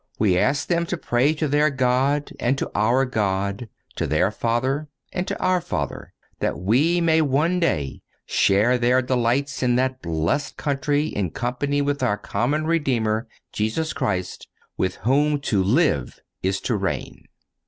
We ask them to pray to their God and to our God, to their Father and to our Father, that we may one day share their delights in that blessed country in company with our common Redeemer, Jesus Christ, with whom to live is to reign.